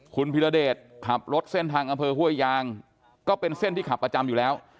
คุณพิรเดชขับรถเส้นทางอำเภอห้วยยางก็เป็นเส้นที่ขับประจำอยู่แล้ว